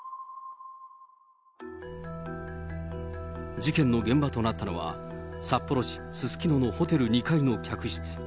事件の現場となったのは、札幌市すすきののホテル２階の客室。